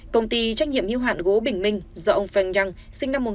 công ty trách nhiệm hữu hạn gỗ bình minh do ông feng yang sinh năm một nghìn